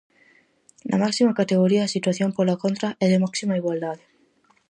Na máxima categoría, a situación, pola contra, é de máxima igualdade.